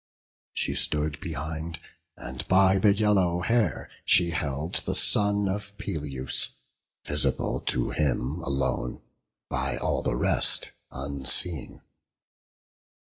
She stood behind, and by the yellow hair She held the son of Peleus, visible To him alone, by all the rest unseen.